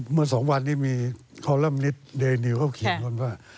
เมื่อสองวันนี้มีคอลัมนิตเดนิวเขาเขียนกันว่า